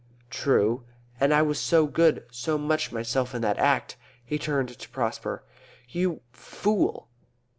"True. And I was so good, so much myself in that Act." He turned to Prosper. "You fool!"